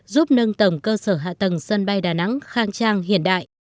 giúp nâng tổng cơ sở hạ tầng sân bay đà nẵng khang trang hiện đại